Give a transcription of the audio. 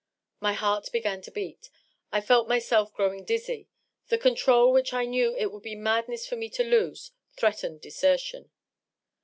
My heart began to beat ; I felt myself growing dizzy ; the control which I knew it would be madness for me to lose threatened desertion.